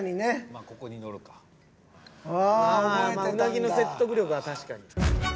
まあうなぎの説得力は確かに。